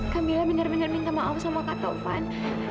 kak mila benar benar minta maaf sama kak taufan